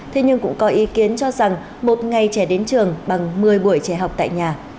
thế nhưng cũng có ý kiến cho rằng một ngày trẻ đến trường bằng một mươi buổi trẻ học tại nhà